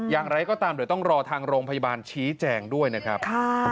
อย่างไรก็ตามเดี๋ยวต้องรอทางโรงพยาบาลชี้แจงด้วยนะครับ